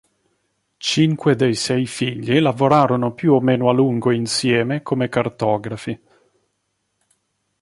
Cinque dei sei figli lavorarono più o meno a lungo insieme come cartografi.